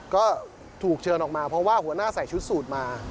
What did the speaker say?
ก็ถูกเชิญออกมาเพราะว่าหัวหน้าใส่ชุดสูตรมา